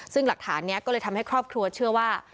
ซึ่งหลักฐานนี้ก็เลยทำให้ครอบครัวเชื่อว่า